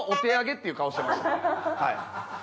っていう顔してましたはい。